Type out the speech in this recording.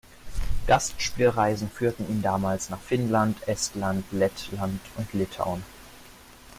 Gastspielreisen führten ihn damals nach Finnland, Estland, Lettland und Litauen.